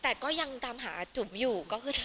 แต่ก็ยังตามหาจุ่มอยู่